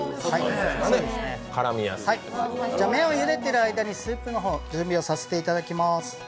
麺をゆでてる間にスープの方、準備をさせていただきます。